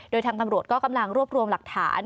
โดยทางตำรวจก็กำลังรวบรวมหลักฐาน